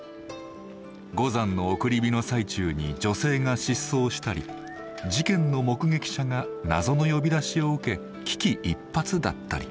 五山の送り火の最中に女性が失踪したり事件の目撃者が謎の呼び出しを受け危機一髪だったり。